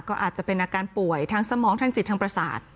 ก็อาจจะเป็นอาการป่วยทางสมองทางจิตทางประสาท